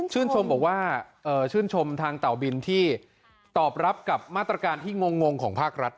บอกว่าชื่นชมทางเต่าบินที่ตอบรับกับมาตรการที่งงของภาครัฐ